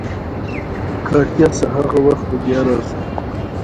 د افغانستان جغرافیه کې د کابل سیند ستر اهمیت لري.